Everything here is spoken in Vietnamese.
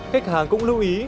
khách hàng cũng lưu ý